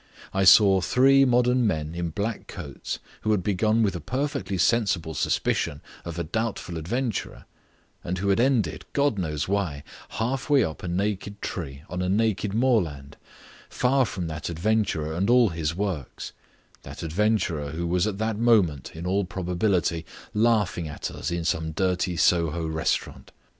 I saw three modern men in black coats who had begun with a perfectly sensible suspicion of a doubtful adventurer and who had ended, God knows how, half way up a naked tree on a naked moorland, far from that adventurer and all his works, that adventurer who was at that moment, in all probability, laughing at us in some dirty Soho restaurant.